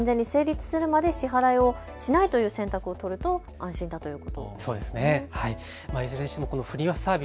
つまり取り引きが完全に成立するまで支払いをしないという選択を取ると安心だということなんですね。